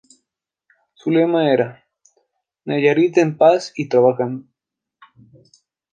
Su lema era "Nayarit en paz y trabajando".